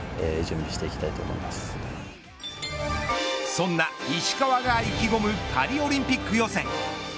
そんな石川が意気込むパリオリンピック予選。